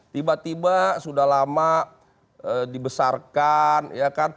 tiba tiba sudah lama dibesarkan ya kan